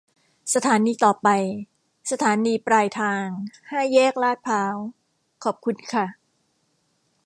สถานีต่อไป สถานีปลายทางห้าแยกลาดพร้าว ขอบคุณค่ะ